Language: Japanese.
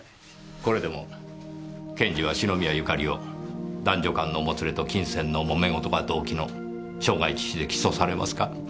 これでも検事は篠宮ゆかりを男女間のもつれと金銭の揉め事が動機の傷害致死で起訴されますか？